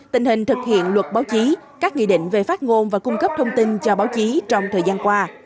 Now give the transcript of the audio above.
tình hình thực hiện luật báo chí các nghị định về phát ngôn và cung cấp thông tin cho báo chí trong thời gian qua